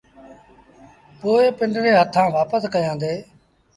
پو پنڊري هٿآݩ وآپس ڪيآݩدي۔